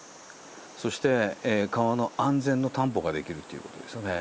そして、川の安全の担保ができるということですね。